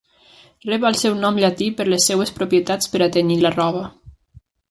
Rep el seu nom llatí per les seves propietats per a tenyir la roba.